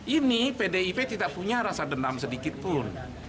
ini pdip tidak punya rasa dendam sedikit pun